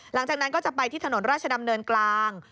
หลังจากนั้นก็จะไปที่ถนนราชดำเนินกลาง